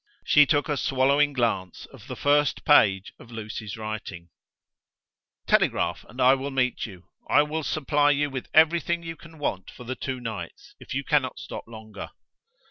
She took a swallowing glance of the first page of Lucy's writing: "Telegraph, and I will meet you. I will supply you with everything you can want for the two nights, if you cannot stop longer."